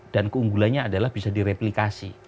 dan keunggulannya adalah bisa direplikasi